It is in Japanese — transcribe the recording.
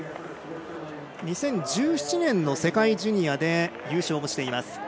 ２０１７年の世界ジュニアで優勝もしています。